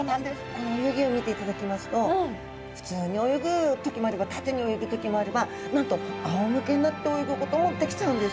この泳ぎを見ていただきますと普通に泳ぐ時もあれば縦に泳ぐ時もあればなんとあおむけになって泳ぐこともできちゃうんです。